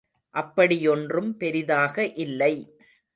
அப்படியொன்றும் பெரிதாக இல்லை.